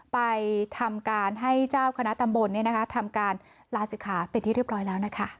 ไปทำการให้เจ้าคณะตำบลทำการลาศิกขาเป็นที่เรียบร้อยแล้วนะคะ